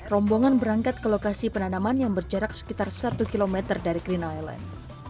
rombongan berangkat ke lokasi penanaman yang berjarak sekitar satu km dari green island